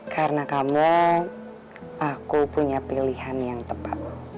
karena kamu aku punya pilihan yang tepat